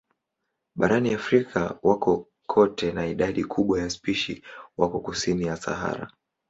Barani Afrika wako kote na idadi kubwa ya spishi wako kusini ya Sahara.